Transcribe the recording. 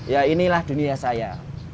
ya inilah dunia saya